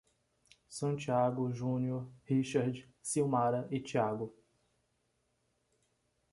Santiago, Júnior, Richard, Silmara e Thiago